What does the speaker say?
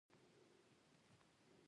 احمد څوری شا ته واچاوو؛ ولاړ.